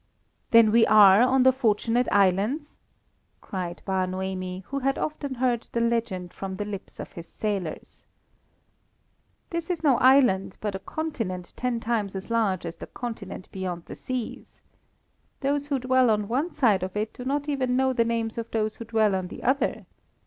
"Then we are on the Fortunate Islands?" cried Bar Noemi, who had often heard the legend from the lips of his sailors. "This is no island, but a continent ten times as large as the continent beyond the seas. Those who dwell on one side of it do not even know the names of those who dwell on the other.